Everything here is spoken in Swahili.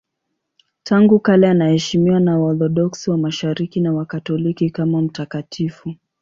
Tangu kale anaheshimiwa na Waorthodoksi wa Mashariki na Wakatoliki kama mtakatifu.